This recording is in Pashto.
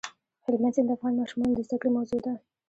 هلمند سیند د افغان ماشومانو د زده کړې موضوع ده.